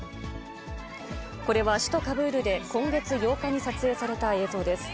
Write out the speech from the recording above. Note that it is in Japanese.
これは首都カブールで今月８日に撮影された映像です。